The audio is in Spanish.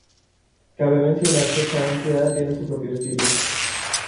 Cabe mencionar que cada entidad tiene su propio estilo.